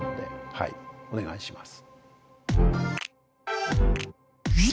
はいお願いします。